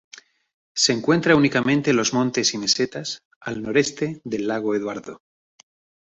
Se encuentra únicamente en los montes y mesetas al noreste del lago Eduardo.